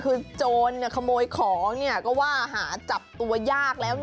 คือโจรขโมยของก็ว่าหาจับตัวยากแล้ว